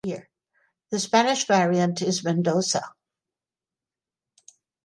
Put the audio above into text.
The Spanish variant is Mendoza.